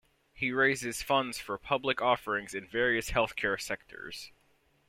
He raises funds for public offerings in various healthcare sectors.